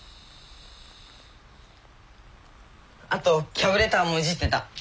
あとキャブレターもいじってた。